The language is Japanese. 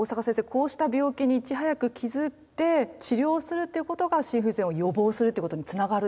こうした病気にいち早く気づいて治療するということが心不全を予防するってことにつながるってことですよね？